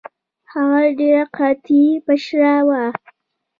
هغه ډیره قاطع مشره وه.